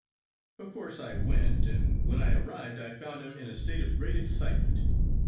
Of course I went, and when I arrived I found him in a state of great excitement.